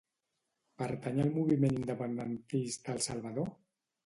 Pertany al moviment independentista el Salvador?